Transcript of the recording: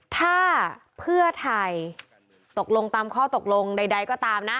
ถ้าเพื่อไทยตกลงตามข้อตกลงใดก็ตามนะ